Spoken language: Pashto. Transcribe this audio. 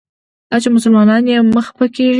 دا چې مسلمان یې مه خپه کیږه.